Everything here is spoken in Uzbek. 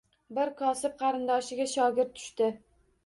Bir kosib qarindoshiga shogird tushdi